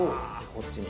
こっちに。